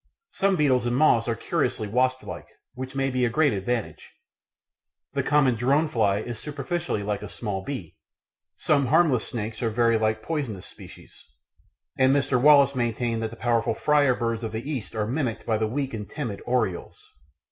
Some beetles and moths are curiously wasplike, which may be a great advantage; the common drone fly is superficially like a small bee; some harmless snakes are very like poisonous species; and Mr. Wallace maintained that the powerful "friar birds" of the Far East are mimicked by the weak and timid orioles.